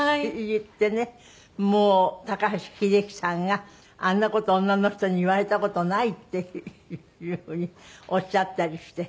言ってねもう高橋英樹さんが「あんな事女の人に言われた事ない」っていう風におっしゃったりして。